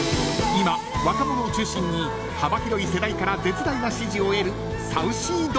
今、若者を中心に幅広い世代から絶大な支持を得るＳａｕｃｙＤｏｇ。